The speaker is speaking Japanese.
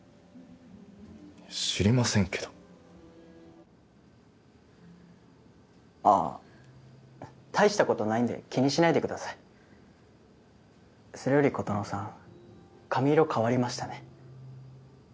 知りませんけどあぁ大したことないんで気にしないでくださいそれより琴乃さん髪色変わりましたね